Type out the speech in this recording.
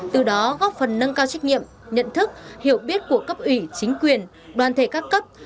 từ đó góp phần nâng cao trách nhiệm nhận thức hiểu biết của cấp ủy chính quyền đoàn thể các cấp